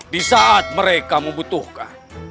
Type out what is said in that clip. di saat mereka membutuhkan